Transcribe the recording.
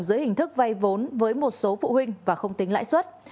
dưới hình thức vay vốn với một số phụ huynh và không tính lãi suất